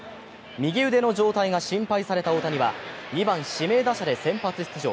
右腕の状態が心配された大谷は２番・指名打者で先発出場。